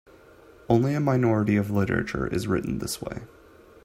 Only a minority of literature is written this way.